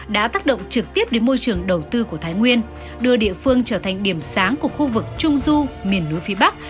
đã tác động trực tiếp đến môi trường đầu tư của thái nguyên đưa địa phương trở thành điểm sáng của khu vực trung du miền núi phía bắc